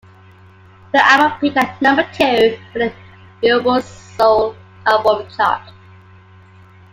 The album peaked at number two on the Billboard Soul album chart.